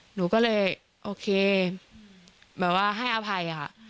หนูก็เลยโอเคแบบว่าให้อภัยค่ะ